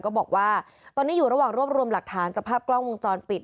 ก็บอกว่าตอนนี้อยู่ระหว่างรวบรวมหลักฐานจากภาพกล้องวงจรปิด